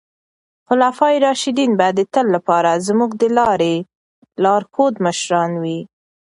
خلفای راشدین به د تل لپاره زموږ د لارې لارښود مشران وي.